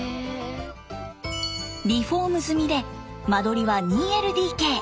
リフォーム済みで間取りは２ＬＤＫ。